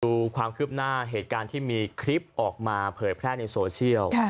ดูความคืบหน้าเหตุการณ์ที่มีคลิปออกมาเผยแพร่ในโซเชียล